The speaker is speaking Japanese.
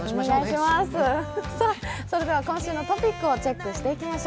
それでは今週のトピックをチェックしていきましょう。